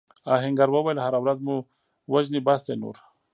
آهنګر وویل هره ورځ مو وژني بس دی نور.